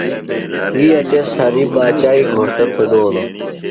ویہ تس ہریۡ باچائی گھوݜٹہ پھیدولوۡ۔